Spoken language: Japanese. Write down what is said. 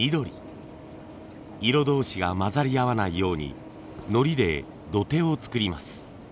色同士が混ざり合わないようにのりで土手を作ります。